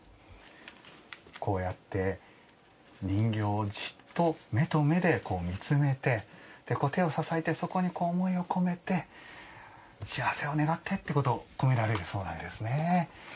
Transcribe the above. こうやって人形をじっと目と目で見つめて手を支えてそこに思いを込めて幸せを願ってということを込められるそうなんですね。